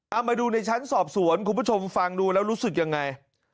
เอามาดูในชั้นสอบสวนคุณผู้ชมฟังดูแล้วรู้สึกยังไง